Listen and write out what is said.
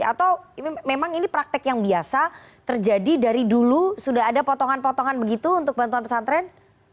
atau memang ini praktek yang biasa terjadi dari dulu sudah ada potongan potongan begitu untuk bantuan pesantren